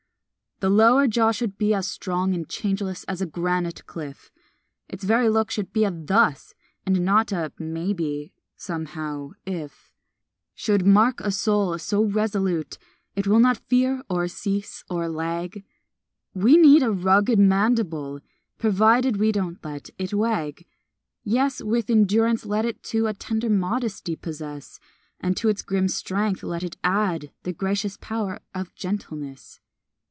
The lower jaw should be as strong And changeless as a granite cliff; Its very look should be a thus And not a maybe, somehow, if; Should mark a soul so resolute It will not fear or cease or lag We need a rugged mandible, Provided we don't let it wag. Yes, with endurance, let it too A tender modesty possess; And to its grim strength let it add The gracious power of gentleness.